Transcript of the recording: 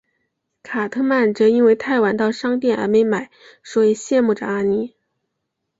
卡特曼则因为太晚到商店而没买所以羡慕着阿尼。